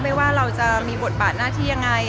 ว่าเราจะมีบทบาทหน้าที่ยังไง